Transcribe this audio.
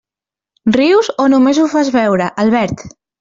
Rius o només ho fas veure, Albert?